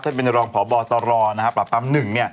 และเป็นรองผอบตรรประปรับปรับ๑